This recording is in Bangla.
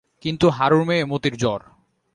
কিন্তু হারুর মেয়ে মতির জ্বর।